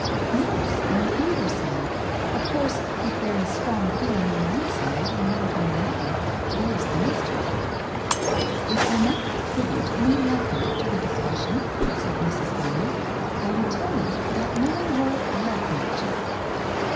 ' Yes, on either side. Of course if there is strong feeling on one side and not on the other, there's the mischief/ * If I might contribute any enlightenment to the dis cussion,' said Mrs. Bowman, ' I would tell you that mine were love matches.'